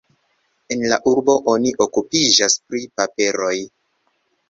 En la urbo oni okupiĝas pri paperoj.